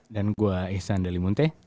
dan gue ihsan dali munte